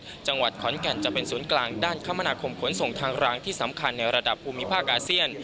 จังหวัดขอนแก่นจะเป็นศูนย์กลางด้านคมนาคมขนส่งทางรางที่สำคัญในระดับภูมิภาคอาเซียน